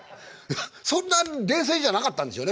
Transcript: そんな冷静じゃなかったんでしょうね。